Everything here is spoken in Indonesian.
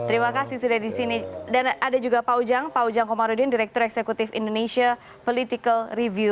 terima kasih sudah di sini dan ada juga pak ujang pak ujang komarudin direktur eksekutif indonesia political review